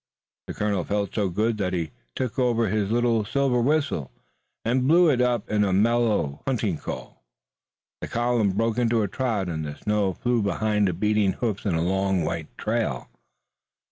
The colonel felt so good that he took out his little silver whistle, and blew upon it a mellow hunting call. The column broke into a trot and the snow flew behind the beating hoofs in a long white trail.